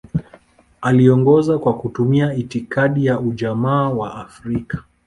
Aliongoza kwa kutumia itikadi ya Ujamaa wa Afrika.